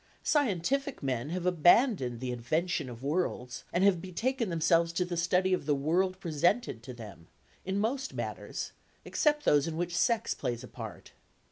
Scientific men have abandoned the invention of worlds and have betaken themselves to the study of the world presented to them, in most matters except those in which sex plays a part.